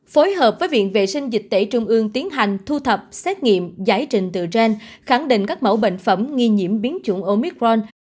phối hợp với viện vệ sinh dịch tễ trung ương tiến hành thu thập xét nghiệm giải trình từ gen khẳng định các mẫu bệnh phẩm nghi nhiễm biến chủng omicron